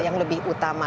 yang lebih utama